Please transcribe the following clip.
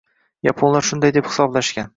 Yaponlar shunday deb hisoblashgan.